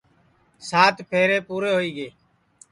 سات پھیرے پُورے ہوئی گے